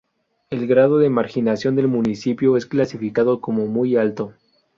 El grado de marginación del municipio es clasificado como Muy alto.